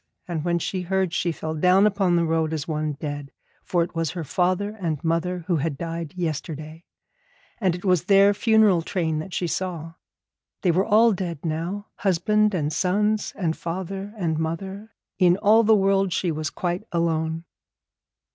And when she heard, she fell down upon the road as one dead: for it was her father and mother who had died yesterday, and it was their funeral train that she saw. They were all dead now, husband and sons and father and mother; in all the world she was quite alone.